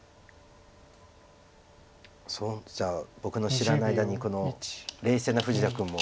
じゃあ僕の知らない間に冷静な富士田君も。